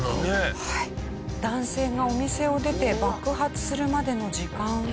男性がお店を出て爆発するまでの時間は。